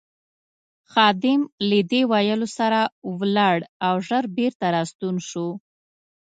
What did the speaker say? خادم له دې ویلو سره ولاړ او ژر بېرته راستون شو.